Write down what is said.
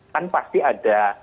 kan pasti ada